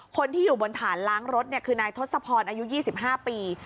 คนที่อยู่บนฐานล้างรถคือนายทศพรอายุ๒๕ปี